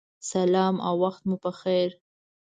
سلام او وخت مو پخیر